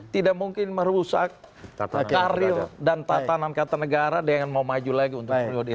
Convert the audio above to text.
tidak mungkin merusak karir dan tatanan kata negara dengan mau maju lagi untuk periode ini